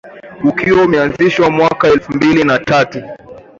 ukiwa umeanzishwa mwaka elfumbili na tatu